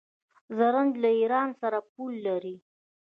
زرنج له ایران سره پوله لري.